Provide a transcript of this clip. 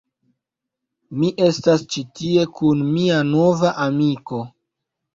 Mi estas ĉi tie kun mia nova amiko